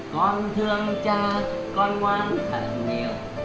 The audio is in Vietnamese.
con thương cha con ngoan thật nhiều